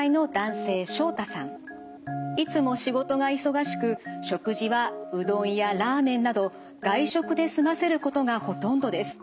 いつも仕事が忙しく食事はうどんやラーメンなど外食で済ませることがほとんどです。